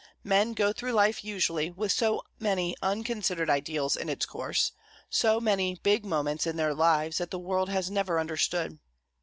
Men go through life, usually, with so many unconsidered ideals in its course, so many big moments in their lives that the world has never understood.